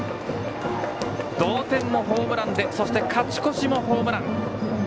同点もホームランでそして勝ち越しもホームラン。